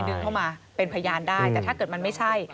ดึงเข้ามาเป็นพยานได้แต่ถ้าเกิดมันไม่ใช่